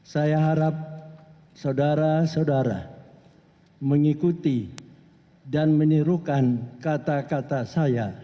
saya harap saudara saudara mengikuti dan menirukan kata kata saya